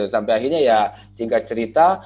sampai akhirnya ya singkat cerita